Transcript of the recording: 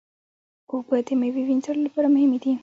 اوبه د میوې وینځلو لپاره مهمې دي.